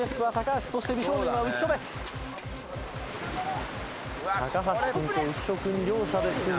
橋君と浮所君両者ですが。